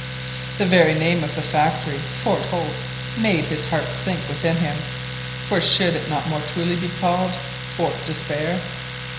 The very name of the factory, "Fort Hope," made his heart sink within him; for should it not more truly be called "Fort Despair?"